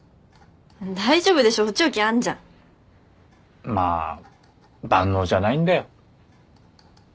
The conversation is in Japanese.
大丈夫でしょ補聴器あんじゃん。まあ万能じゃないんだよ。